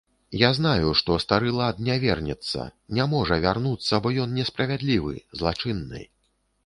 Я знаю, што стары лад не вернецца, не можа вярнуцца, бо ён несправядлівы, злачынны.